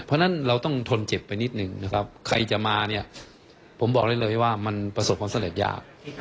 เพราะฉะนั้นเราต้องทนเจ็บไปนิดนึงนะครับใครจะมาเนี่ยผมบอกได้เลยว่ามันประสบความสำเร็จยาก